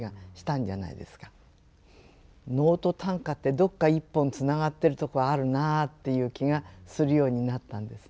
「能と短歌ってどっか一本つながってるとこあるなぁ」という気がするようになったんですね。